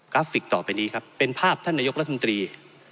ราฟิกต่อไปนี้ครับเป็นภาพท่านนายกรัฐมนตรี